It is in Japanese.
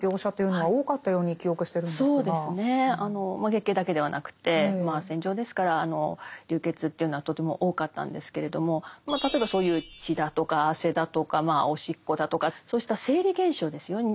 月経だけではなくてまあ戦場ですから流血というのはとても多かったんですけれども例えばそういう血だとか汗だとかおしっこだとかそうした生理現象ですよね。